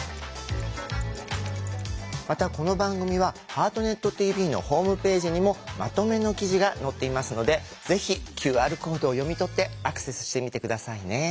またこの番組は「ハートネットＴＶ」のホームページにもまとめの記事が載っていますのでぜひＱＲコードを読み取ってアクセスしてみて下さいね。